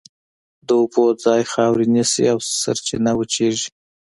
د اوبو ځای خاورې نیسي او سرچینه وچېږي.